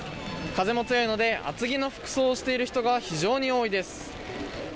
風も強いので厚着の服装をしている人が非常に多いです。